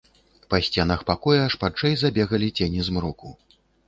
Па сценах пакоя шпарчэй забегалі цені змроку.